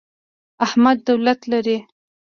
احمد دولت لري.